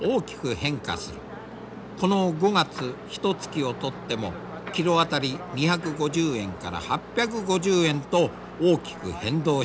この５月ひとつきを取ってもキロ当たり２５０円から８５０円と大きく変動している。